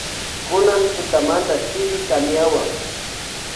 Kunan tutamanta chiri tamiawan.